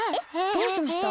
どうしました？